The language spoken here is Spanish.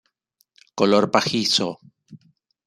Color pajizo.